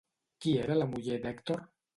Qui era la muller d'Hèctor?